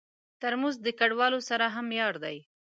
ترموز د کډوالو سره هم یار دی.